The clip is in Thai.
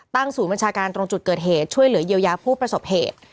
ศูนย์บัญชาการตรงจุดเกิดเหตุช่วยเหลือเยียวยาผู้ประสบเหตุ